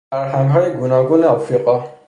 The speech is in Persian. فرهنگهای گوناگون افریقا